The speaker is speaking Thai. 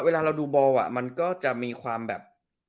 เวลาเราดูบอลมันก็จะมีความแบบ